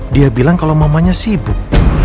dia bilang kalau mamanya sibuk